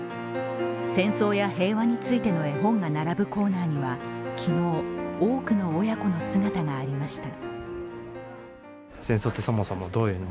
戦争や平和についての絵本が並ぶコーナーには昨日、多くの親子の姿がありました。